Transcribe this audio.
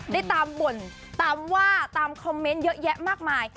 ได้ตามบ่นตามว่าตามคอมเมนต์เยอะแยะมากมาย